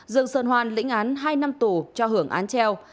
dương sơn hoan lĩnh án hai năm tù cho hưởng án treo